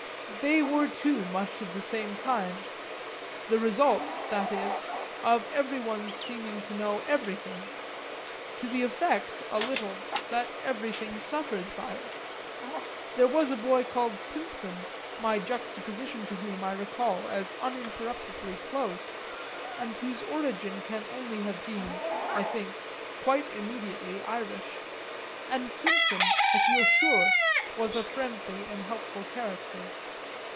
They were too much of the same kind; the result, that is, of everyone's seeming to know everything to the effect, a little, that everything suffered by it. There was a boy called Simpson my juxtaposition to whom I recall as uninterruptedly close, and whose origin can only have been, I think, quite immediately Irish and Simpson, I feel sure, was a friendly and helpful character.